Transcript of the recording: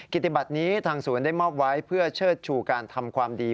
กิจบัตรนี้ทางศูนย์ได้มอบไว้เพื่อเชิดชูการทำความดี